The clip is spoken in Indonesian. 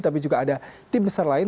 tapi juga ada tim besar lain